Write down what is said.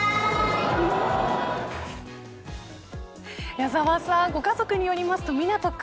矢沢さん、ご家族によりますとみなと君